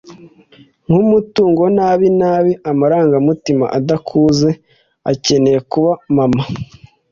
nkumutungo nabi nabi amarangamutima adakuze akeneye kuba mama